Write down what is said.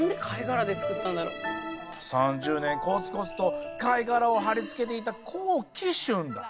３０年こつこつと貝殻を貼り付けていた黄奇春だ。